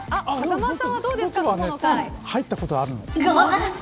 僕は入ったことあるの。